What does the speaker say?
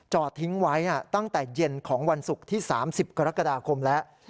ทิ้งไว้ตั้งแต่เย็นของวันศุกร์ที่๓๐กรกฎาคมแล้ว